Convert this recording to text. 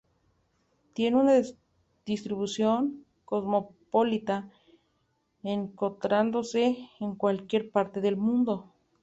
Tiene una distribución cosmopolita, encontrándose en cualquier parte del mundo.